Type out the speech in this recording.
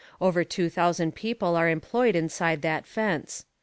Over two thousand people are employed inside that fence.